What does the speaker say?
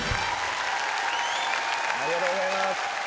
ありがとうございます。